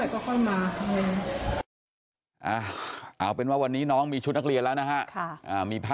แล้วก็ค่าเดินทางพาเด็กไปโรงเรียนอะไร